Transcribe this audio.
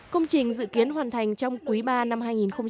công trình dự kiến hoàn thành trong quý ba năm hai nghìn một mươi tám